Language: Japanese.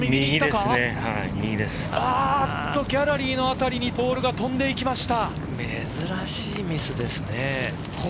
ギャラリーの辺りにボールが飛んでいきました。